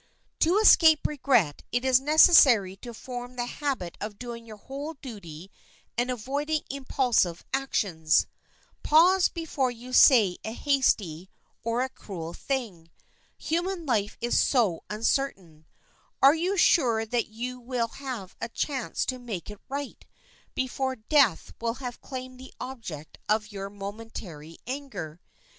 To escape regret, it is necessary to form the habit of doing your whole duty and avoiding impulsive actions. Pause before you say a hasty or a cruel thing. Human life is so uncertain, are you sure that you will have a chance to make it right before death will have claimed the object of your momentary anger?